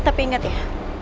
tapi ingat ya